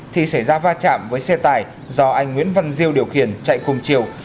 thì xảy ra va chạm với xe tải do anh nguyễn văn diêu điều khiển chạy cùng chiều